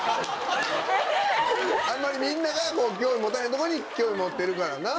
あんまりみんなが興味持たへんとこに興味持ってるからな。